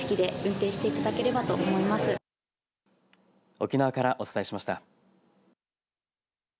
沖縄からお伝えしました。